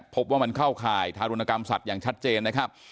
พบว่ามันเข้าข่ายทารุณกรรมสัตว์อย่างชัดเจนนะครับ